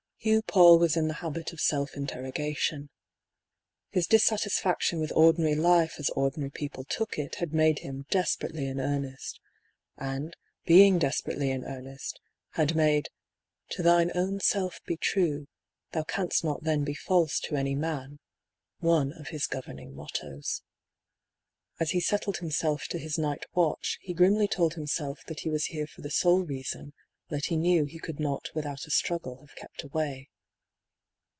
Hugh Paull was in the habit of self interroga tion. His dissatisfaction with ordinary life as ordinary people took it had made him desperately in earnest; and being desperately in earnest, had made — 8 DR. PAULL'S THEORY. " To thine own self be true, Thou canst not then be false to any man," one of his governing mottoes. As he settled himself to his night watch he grimly told himself that he was here for the sole reason that he knew he could not without a struggle have kept away.